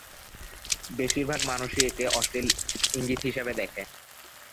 বেশিরভাগ মানুষই একে অশ্লীল ইঙ্গিত হিসেবে দেখে।